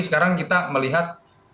sekarang kita melihat